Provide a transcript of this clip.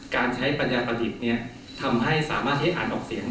การใช้ปัญญาประดิษฐ์ทำให้สามารถใช้อ่านออกเสียง